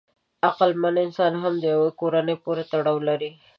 عقلمن انسان هم یوې کورنۍ پورې تړاو لري.